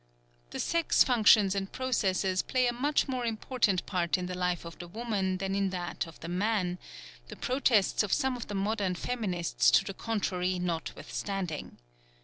The sex functions and processes play a much more important part in the life of the woman than in that of the man, the protests of some of the modern feminists to the contrary notwithstanding.